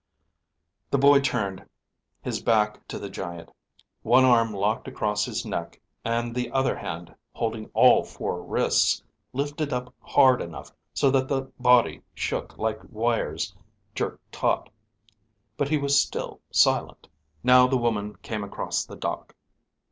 The boy got turned, his back to the giant; one arm locked across his neck, and the other hand, holding all four wrists, lifted up hard enough so that the body shook like wires jerked taut, but he was still silent. Now the woman came across the dock.